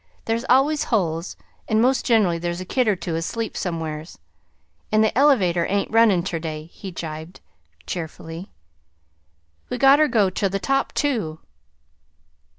There's always holes, and most generally there's a kid or two asleep somewheres. An' the elevator ain't runnin' ter day," he gibed cheerfully. "We gotta go ter the top, too!"